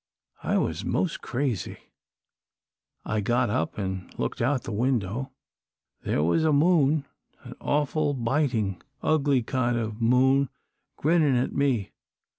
I was mos' crazy. I got up an' looked out the window. There was a moon, an awful bitin', ugly kind of a moon grinnin' at me.